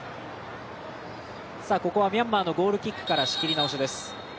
ここは、ミャンマーのゴールキックから仕切り直しです。